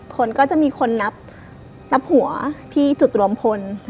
คนก็จะมีคนนับหัวที่จุดรวมพล